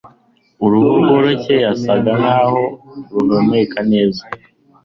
Uruhu rworoshye yasaga nkaho ruhumeka neza